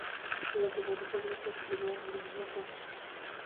Durante la República escribió en "Leviatán".